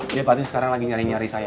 dia pasti sekarang lagi nyari nyari saya